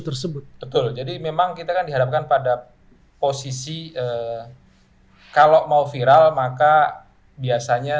tersebut betul jadi memang kita kan dihadapkan pada posisi kalau mau viral maka biasanya